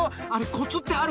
コツってあるの？